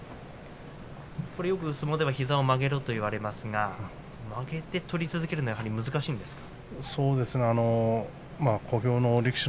よく相撲では膝を曲げろと言われますが曲げて取り続けるっていうのは難しいんですか？